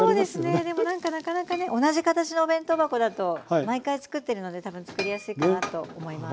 でも何かなかなかね同じ形のお弁当箱だと毎回つくってるので多分つくりやすいかなと思います。